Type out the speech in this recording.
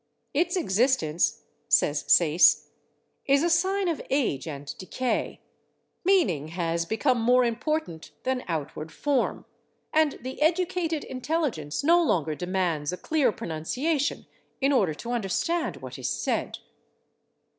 "Its existence," says Sayce, "is a sign of age and decay; meaning has become more important than outward form, and the educated intelligence no longer demands a clear pronunciation in order to understand what is said."